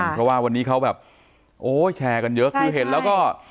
เพราะว่าวันนี้เขาแบบโอ้ยแชร์กันเยอะคือเห็นแล้วก็